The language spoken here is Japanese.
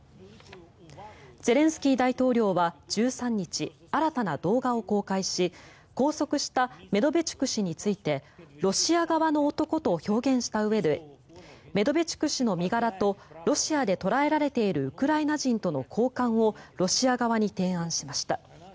ゼレンスキー大統領は１３日新たな動画を公開し拘束したメドベチュク氏についてロシア側の男と表現したうえでメドベチュク氏の身柄とロシアで捕らえられているウクライナ人との交換をロシア側に提案しました。